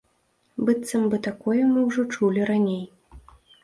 Быццам бы такое мы ўжо чулі раней.